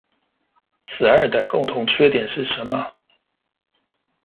此二的共同缺點是什麼？